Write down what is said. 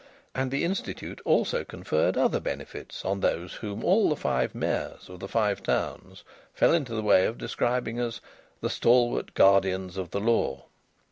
And the Institute also conferred other benefits on those whom all the five Mayors of the Five Towns fell into the way of describing as "the stalwart guardians of the law."